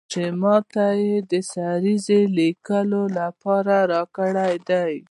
چې ماته یې د سریزې لیکلو لپاره راکړی دی.